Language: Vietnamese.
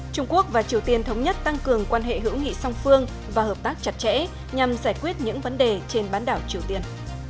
trung quốc và triều tiên thống nhất tăng cường quan hệ hữu nghị song phương và hợp tác chặt chẽ nhằm giải quyết những vấn đề trên bán đảo triều tiên